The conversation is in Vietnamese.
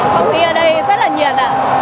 công y ở đây rất là nhiệt